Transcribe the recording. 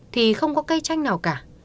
thì không có cây chanh nào cả